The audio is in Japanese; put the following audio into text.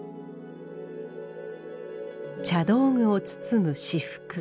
茶道具を包む仕覆。